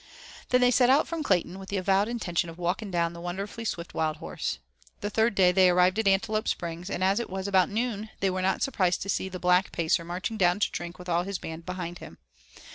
Then they set out from Clayton, with the avowed intention of walking down the wonderfully swift wild horse. The third day they arrived at Antelope Springs, and as it was about noon they were not surprised to see the black Pacer marching down to drink with all his band behind him.